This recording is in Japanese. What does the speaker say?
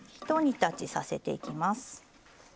一煮立ちさせていきます。